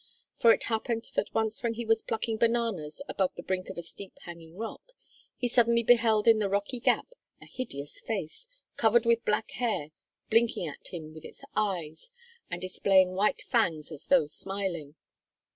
For it happened that once when he was plucking bananas above the brink of a steep hanging rock he suddenly beheld in the rocky gap a hideous face, covered with black hair, blinking at him with its eyes, and displaying white fangs as though smiling.